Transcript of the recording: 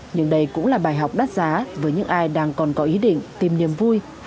nhưng đây cũng là bài học đắt giá với những ai đang còn có ý định tìm niềm vui